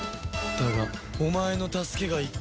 だがお前の助けが１個分。